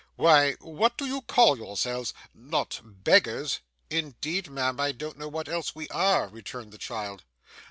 'Why, what do you call yourselves? Not beggars?' 'Indeed, ma'am, I don't know what else we are,' returned the child.